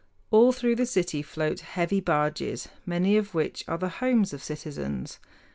All through the city float heavy barges, many of which are the homes of citizens.